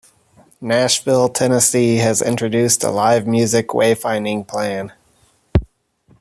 Nashville, Tennessee has introduced a live music wayfinding plan.